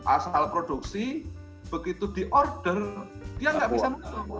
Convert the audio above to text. asal produksi begitu di order dia nggak bisa